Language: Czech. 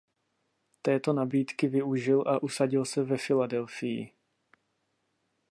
Této nabídky využil a usadil se ve Filadelfii.